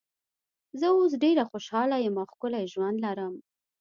زه اوس ډېره خوشاله یم او ښکلی ژوند لرو.